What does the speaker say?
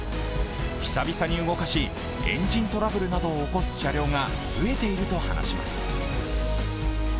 久々に動かし、エンジントラブルなどを起こす車両が増えているといいます。